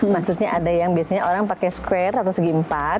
maksudnya ada yang biasanya orang pakai square atau segi empat